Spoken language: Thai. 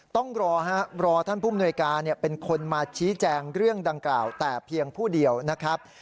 ต้องรอฮะรอท่านผู้มนวยการเป็นคนมาชี้แจงเรื่องดังกล่าวแต่เพียงผู้เดียวนะครับ